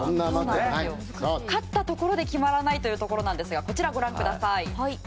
勝ったところで決まらないというところなんですがこちらをご覧ください。